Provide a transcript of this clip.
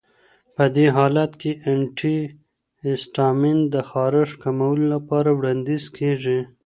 په دې حالت کې انټي هسټامین د خارښ کمولو لپاره وړاندیز کېږي.